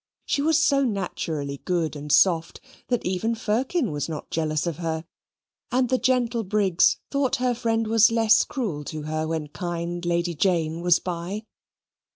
She was so naturally good and soft, that even Firkin was not jealous of her; and the gentle Briggs thought her friend was less cruel to her when kind Lady Jane was by.